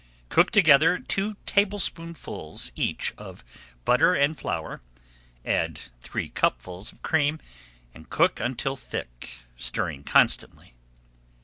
Cook together two tablespoonfuls each of butter and flour, add three cupfuls of cream, and cook until thick, stirring constantly.